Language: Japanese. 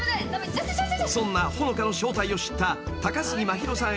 ［そんな穂香の正体を知った高杉真宙さん